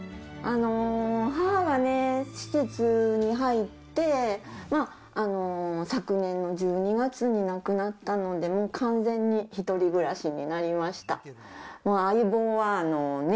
母がね、施設に入って、昨年の１２月に亡くなったので、もう完全に１人暮らしになりました。